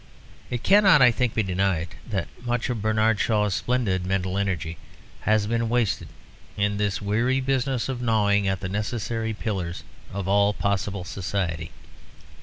It cannot, I think, be denied that much of Bernard Shaw's splendid mental energy has been wasted in this weary business of gnawing at the necessary pillars of all possible society.